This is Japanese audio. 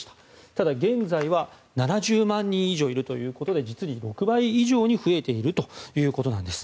ただ、現在は７０万人以上いるということで実に６倍以上に増えているということです。